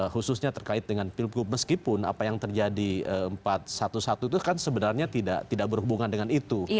khususnya terkait dengan pilgub meskipun apa yang terjadi empat ratus sebelas itu kan sebenarnya tidak berhubungan dengan itu